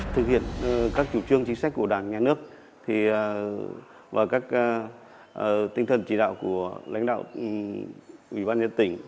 thực hiện các chủ trương chính sách của đảng nhà nước và các tinh thần chỉ đạo của lãnh đạo ủy ban nhân tỉnh